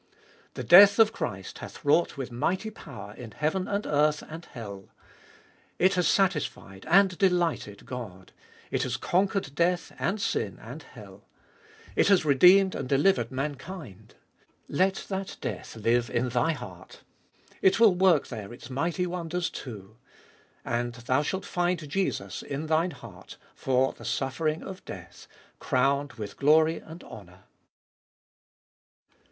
The death of Christ 82 Gbe boltest ot BU hath wrought with mighty power in heaven and earth and hell. It has satisfied, and delighted God ; it has conquered death and sin and hell ; it has redeemed and delivered mankind. Let that death live in thy heart ; it will work there its mighty wonders too. And thou shalt find Jesus in thine heart, for the suffering of death crowned with glory and honour.